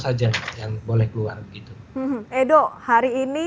saja yang boleh keluar gitu edo hari ini